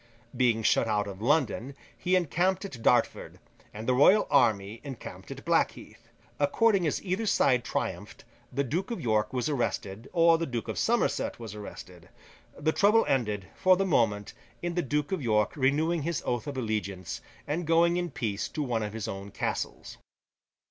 Being shut out of London, he encamped at Dartford, and the royal army encamped at Blackheath. According as either side triumphed, the Duke of York was arrested, or the Duke of Somerset was arrested. The trouble ended, for the moment, in the Duke of York renewing his oath of allegiance, and going in peace to one of his own castles.